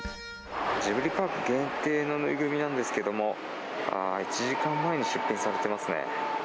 ジブリパーク限定の縫いぐるみなんですけど、１時間前に出品されてますね。